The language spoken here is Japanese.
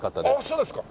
そうですか。